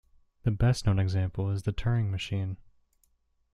The best-known example is the Turing machine.